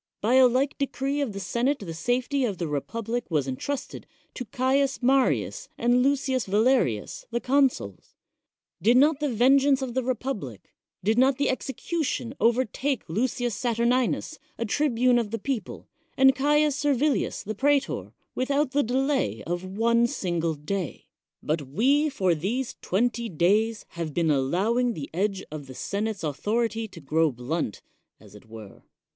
By a like decree of the sei ate the safety of the republic was entrusted t Caius Marius and Lucius Valerius, the consul; 95 THE WORLD'S FAMOUS ORATIONS Did not the vengeance of the republic, did not execution overtake Lucius Satuminus, a tribune of th^ people, and Caius Servilius, the pretor, without the delay of one single day? But we, for these twenty days, have been allowing the edge of the senate's authority to grow blunt, as it were.